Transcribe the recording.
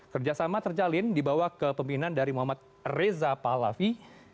kerjasama terjalin di bawah kepemimpinan dari muhammad reza pahlavi